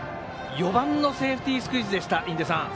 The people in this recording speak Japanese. ４番のセーフティースクイズでした。